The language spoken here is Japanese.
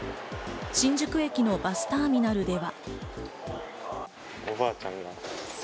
新宿駅のバスターミナルでは。